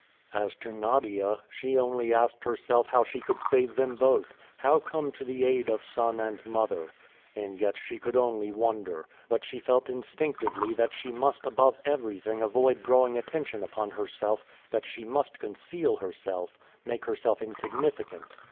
As to Nadia, she only asked herself how she could save them both, how come to the aid of son and mother. As yet she could only wonder, but she felt instinctively that she must above everything avoid drawing attention upon herself, that she must conceal herself, make herself insignificant.